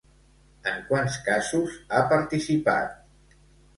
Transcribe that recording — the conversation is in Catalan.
En quants casos ha participat?